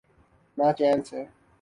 نہ چین سے۔